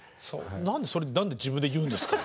何でそれ自分で言うんですか？